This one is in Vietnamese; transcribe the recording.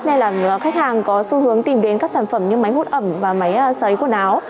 nên là khách hàng có xu hướng tìm đến các sản phẩm như máy hút ẩm và máy xấy quần áo